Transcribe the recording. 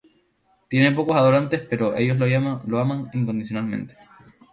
Tiene pocos adoradores pero ellos la aman incondicionalmente.